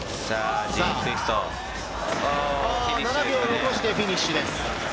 ７秒残してフィニッシュです。